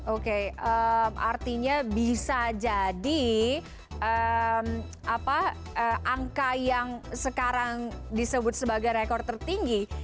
oke artinya bisa jadi angka yang sekarang disebut sebagai rekor tertinggi